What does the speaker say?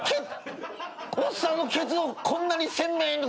おっさんのケツをこんなに鮮明に。